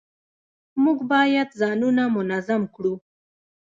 موږ باید ځانونه منظم کړو